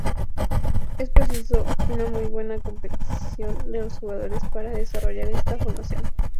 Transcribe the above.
Es preciso una muy buena compenetración de los jugadores para desarrollar esta formación.